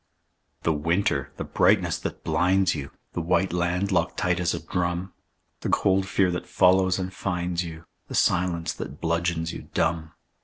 The winter! the brightness that blinds you, The white land locked tight as a drum, The cold fear that follows and finds you, The silence that bludgeons you dumb.